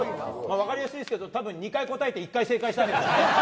分かりやすいですけど多分、２回答えて１回正解したんでしょうね。